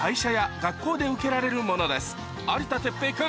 有田哲平君